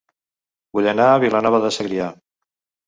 Vull anar a Vilanova de Segrià